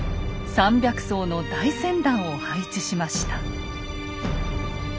３００艘の大船団を配置しました。